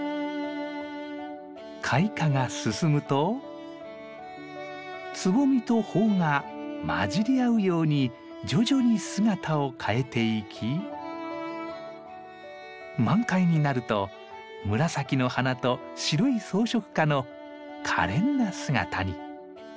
開花が進むとつぼみと苞が交じり合うように徐々に姿を変えていき満開になると紫の花と白い装飾花のかれんな姿に。